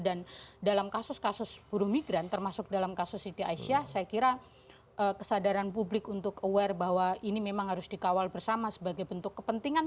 dan dalam kasus kasus buru migran termasuk dalam kasus siti aisyah saya kira kesadaran publik untuk aware bahwa ini memang harus dikawal bersama sebagai bentuk kepentingan